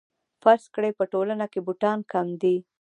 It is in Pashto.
فرض کړئ په ټولنه کې بوټان کم دي